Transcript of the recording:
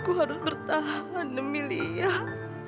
gue harus menerima kuliah